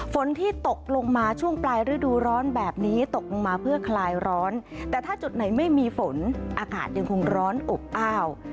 ฝนที่ตกลงมาช่วงปลายฤดูร้อนแบบนี้ตกลงมาเพื่อคลายร้อนแต่ถ้าจุดไหนไม่มีฝนอากาศยังคงร้อนอบอ้าว